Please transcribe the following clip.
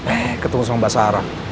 eh ketemu sama mbak sarah